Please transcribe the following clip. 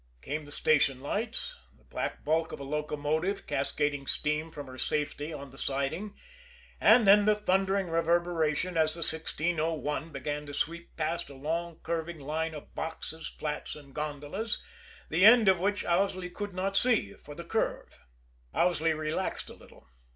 Came the station lights; the black bulk of a locomotive, cascading steam from her safety, on the siding; and then the thundering reverberation as the 1601 began to sweep past a long, curving line of boxes, flats and gondolas, the end of which Owsley could not see for the curve. Owsley relaxed a little.